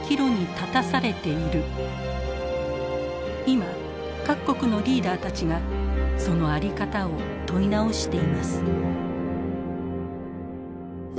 今各国のリーダーたちがそのあり方を問い直しています。